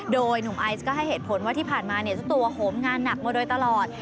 โดยหนุ่มไอซ์ก็ให้เหตุผลว่าที่ผ่านมาเนี่ยเจ้าตัวโหมงานหนักมาโดยตลอด